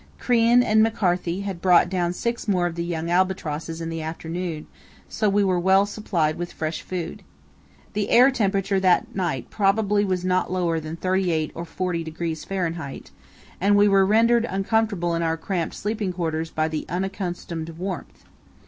Crean and McCarthy had brought down six more of the young albatrosses in the afternoon, so we were well supplied with fresh food. The air temperature that night probably was not lower than 38° or 40° Fahr., and we were rendered uncomfortable in our cramped sleeping quarters by the unaccustomed warmth.